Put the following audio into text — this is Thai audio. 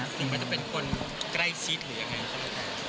หรือว่าจะเป็นคนใกล้ซิทธิ์หรืออย่างนั้น